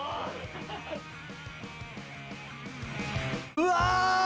うわ！